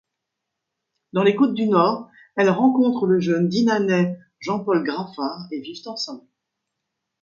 Dans les Côtes-du-Nord, elle rencontre le jeune Dinanais Jean-Paul Graffard et vivent ensemble.